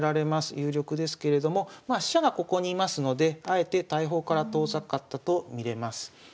有力ですけれどもまあ飛車がここに居ますのであえて大砲から遠ざかったと見れます。